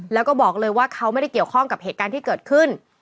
แล้วก็บอกเลยว่าเขาไม่ได้เกี่ยวข้องกับเหตุการณ์ที่เกิดขึ้น